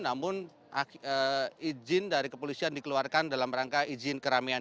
dan ijin dari kepolisian dikeluarkan dalam rangka ijin keramaian